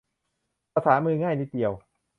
ภาษามือ ง่ายนิดเดียว